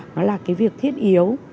nó là cái việc thiết yếu